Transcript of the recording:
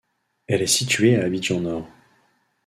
Elle est située à Abidjan nord.